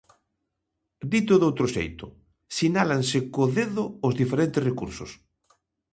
Dito doutro xeito: sinálanse co dedo os diferentes recursos.